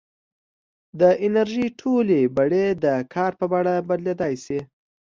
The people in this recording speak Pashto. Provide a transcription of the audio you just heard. د انرژۍ ټولې بڼې د کار په بڼه بدلېدای شي.